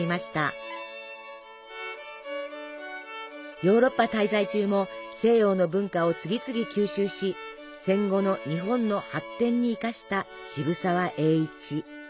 ヨーロッパ滞在中も西洋の文化を次々吸収し戦後の日本の発展に生かした渋沢栄一。